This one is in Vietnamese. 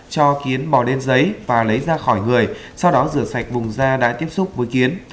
cho kiến bò đen giấy và lấy ra khỏi người sau đó rửa sạch vùng da đã tiếp xúc với kiến